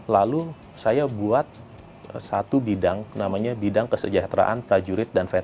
lalu saya buat satu bidang namanya bidang kesejahteraan prajurit dan veteran